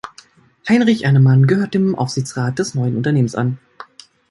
Heinrich Ernemann gehörte dem Aufsichtsrat des neuen Unternehmens an.